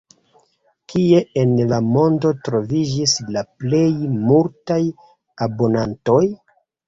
Kie en la mondo troviĝis la plej multaj abonantoj?